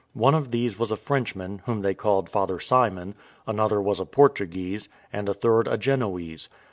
One of these was a Frenchman, whom they called Father Simon; another was a Portuguese; and a third a Genoese.